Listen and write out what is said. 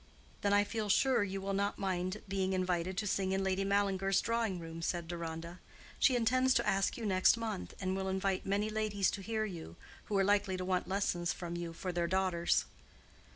"Then I feel sure you will not mind being invited to sing in Lady Mallinger's drawing room," said Deronda. "She intends to ask you next month, and will invite many ladies to hear you, who are likely to want lessons from you for their daughters."